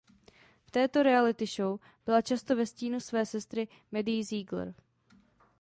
V této reality show byla často ve stínu své sestry Maddie Ziegler.